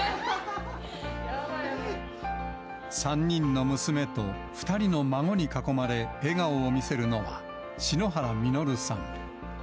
３人の娘と２人の孫に囲まれ、笑顔を見せるのは、篠原実さん。